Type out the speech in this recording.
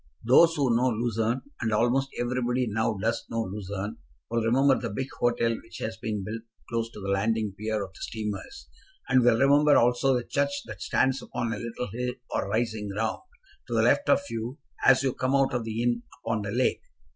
Those who know Lucerne, and almost everybody now does know Lucerne, will remember the big hotel which has been built close to the landing pier of the steamers, and will remember also the church that stands upon a little hill or rising ground, to the left of you, as you come out of the inn upon the lake.